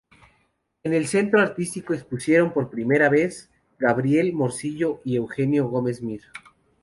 En el Centro Artístico expusieron por primeras vez Gabriel Morcillo y Eugenio Gómez Mir.